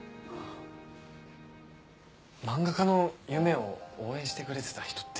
漫画家の夢を応援してくれてた人って。